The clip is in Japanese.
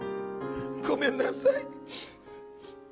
ごめんなさい。